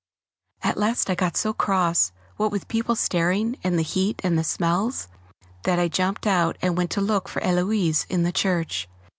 At last I got so cross, what with the people staring, and the heat and the smells, that I jumped out and went to look for Héloise in the church.